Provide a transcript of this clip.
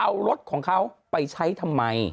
เอารถของเขาไปใช้ทำไม